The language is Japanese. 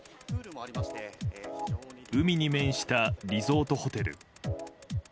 海に面したリゾートホテル。